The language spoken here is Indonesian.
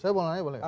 saya mau nanya boleh